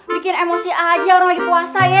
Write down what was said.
bikin emosi aja orang lagi puasa ya